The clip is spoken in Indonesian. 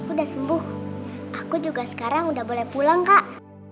udah sembuh aku juga sekarang udah boleh pulang kak